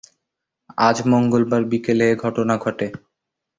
আজ মঙ্গলবার বিকেলে এ ঘটনা ঘটে।